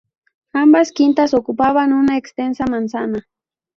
Ambas quintas ocupaban una extensa manzana.